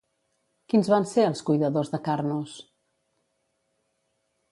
Quins van ser els cuidadors de Carnos?